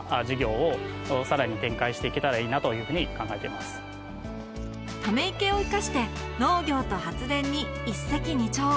谷口さんがため池をいかして農業と発電に一石二鳥